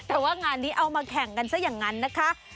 แต่ว่างานนี้เอามาแข่งกันซะอย่างนั้นนะคะ